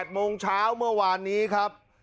โมงเช้าเมื่อวานนี้ครับ